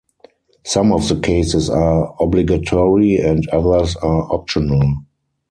Some of the cases are obligatory and others are optional.